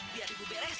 biar ibu beres